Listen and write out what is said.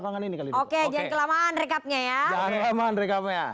jangan kelamaan rekapnya